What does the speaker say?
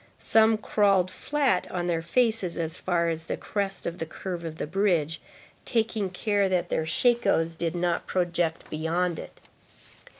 Some crawled flat on their faces as far as the crest of the curve of the bridge, taking care that their shakos did not project beyond it.